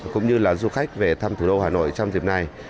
cũng như là du khách về thăm thủ đô hà nội trong dịp này